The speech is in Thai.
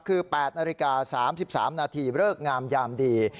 คือ๘นาฬิกา๓๓นาทีเริกงามยามดี